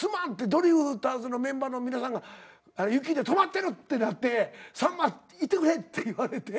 ドリフターズのメンバーの皆さんが雪で止まってるってなって「さんま行ってくれ」って言われて。